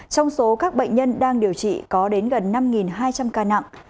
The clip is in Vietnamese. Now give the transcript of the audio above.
trong số các bệnh nhân đang điều trị có đến gần năm hai trăm linh ca nặng